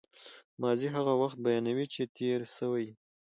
ماضي هغه وخت بیانوي، چي تېر سوی يي.